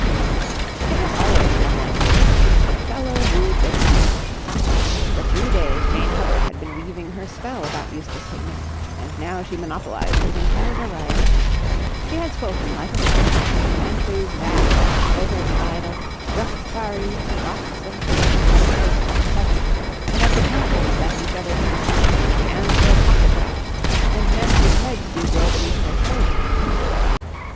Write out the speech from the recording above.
It has always been like this since Othello wooed Desdemona. For three days Jane Hubbard had been weaving her spell about Eustace Hignett, and now she monopolised his entire horizon. She had spoken, like Othello, of antres vast and deserts idle, rough quarries, rocks and hills whose heads touched heaven, and of the cannibals that each other eat, the Anthropophagi, and men whose heads do grow beneath their shoulders.